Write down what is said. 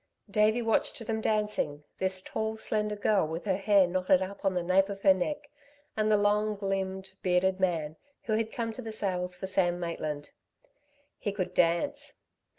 Davey watched them dancing, this tall slender girl with her hair knotted up on the nape of her neck and the long limbed, bearded man who had come to the sales for Sam Maitland. He could dance.